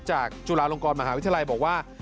จุฬาลงกรมหาวิทยาลัยบอกว่า